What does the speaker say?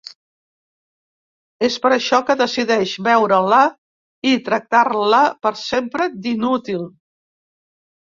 És per això que decideix veure-la i tractar-la per sempre d'inútil.